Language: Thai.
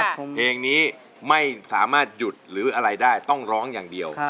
มูลค่า๕๐๐๐บาทอันนี้ไม่สามารถหยุดหรืออะไรได้ต้องร้องอย่างเดียว